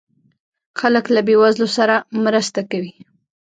خلک له بې وزلو سره مرسته کوي.